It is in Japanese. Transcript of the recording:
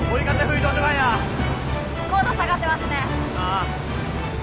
ああ。